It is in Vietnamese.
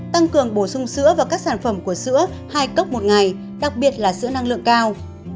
tăng cường bổ sung sữa và các sản phẩm của sữa hai cốc một ngày đặc biệt là sữa năng lượng cao